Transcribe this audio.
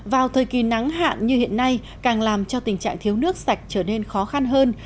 vào thời kỳ nắng hạn như hiện nay càng làm cho tình trạng thiếu nước sạch trở nên khó khăn hơn